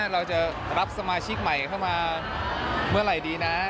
เราจะรับสมาชิกใหม่เข้ามาเมื่อไหร่ดีนะ